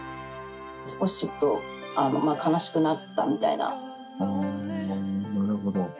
少しちょっと、悲しくなったみたなるほど。